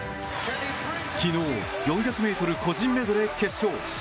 昨日４００ｍ個人メドレー決勝。